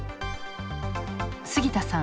杉田さん